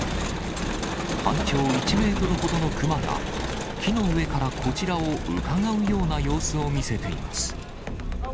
体長１メートルほどのクマが、木の上からこちらをうかがうような様子を見せています。